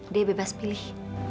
dia bebas pilih